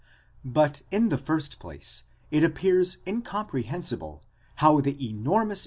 8 But in the first place, it appears incomprehensible how the enormous.